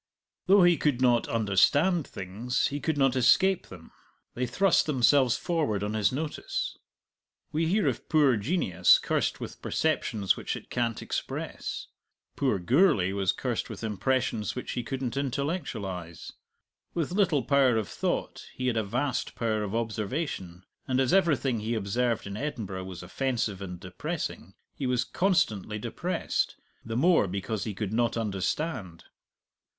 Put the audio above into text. Though he could not understand things, he could not escape them; they thrust themselves forward on his notice. We hear of poor genius cursed with perceptions which it can't express; poor Gourlay was cursed with impressions which he couldn't intellectualize. With little power of thought, he had a vast power of observation; and as everything he observed in Edinburgh was offensive and depressing, he was constantly depressed the more because he could not understand.